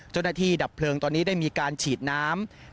เจ้าหน้าที่ดับเพลิงตอนนี้ได้มีการฉีดน้ำ